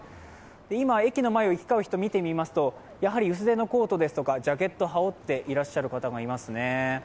今、駅の前を行き交う人を見てみますと、薄手のコートですとかジャケット羽織っていらっしゃる方がいますね。